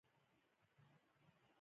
ایا زه باید باقلي وخورم؟